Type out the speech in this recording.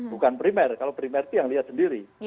bukan primer kalau primer itu yang lihat sendiri